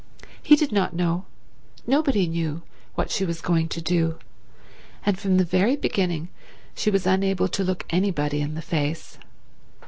He did not know, nobody knew, what she was going to do, and from the very beginning she was unable to look anybody in the face.